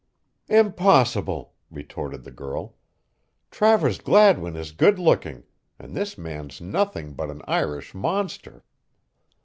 "Impossible!" retorted the girl. "Travers Gladwin is good looking, and this man's nothing but an Irish monster."